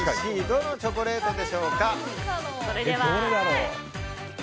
Ａ、Ｂ、Ｃどのチョコレートでしょうか。